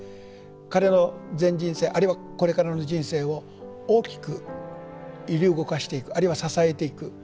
彼の全人生あるいはこれからの人生を大きく揺り動かしていくあるいは支えていく。